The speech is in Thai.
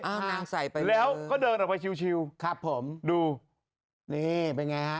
เอานางใส่ไปแล้วก็เดินออกไปชิวครับผมดูนี่เป็นไงฮะ